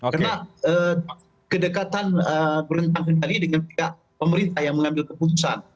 karena kedekatan rentang kendali dengan pihak pemerintah yang mengambil keputusan